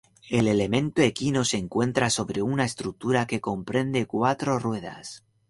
El elemento equino se encuentra sobre una estructura que comprende cuatro ruedas.